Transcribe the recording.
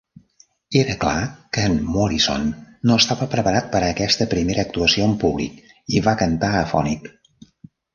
Era clar que en Morrison no estava preparat per a aquesta, primera, actuació en públic i va cantar afònic.